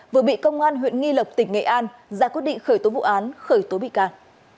vừa bị công an huyện nghi lộc tỉnh nghệ an ra quyết định khởi tố vụ án khởi tố bị can